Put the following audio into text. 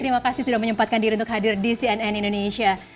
terima kasih sudah menyempatkan diri untuk hadir di cnn indonesia